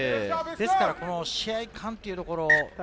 ですから試合勘というところ。